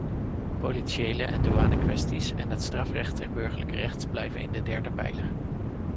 Politiële en douanekwesties en het strafrecht en burgerlijk recht blijven in de derde pijler.